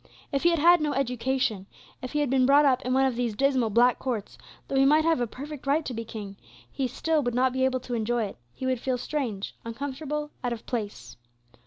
If he had had no education, if he had been brought up in one of these dismal black courts, though he might have a perfect right to be king, still he would not be able to enjoy it; he would feel strange, uncomfortable, out of place.